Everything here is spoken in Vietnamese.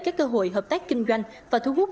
các cơ hội hợp tác kinh doanh và thu hút